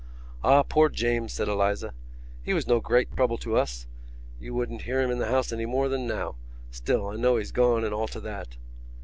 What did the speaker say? "Ah, poor James!" said Eliza. "He was no great trouble to us. You wouldn't hear him in the house any more than now. Still, I know he's gone and all to that...."